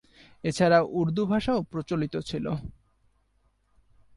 এছাড়া উর্দু ভাষাও প্রচলিত।